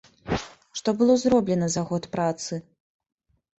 Што было зроблена за год працы?